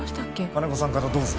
金子さんからどうぞ